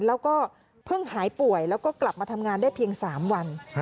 แล้วก็เพิ่งหายป่วยแล้วก็กลับมาทำงานได้เพียง๓วัน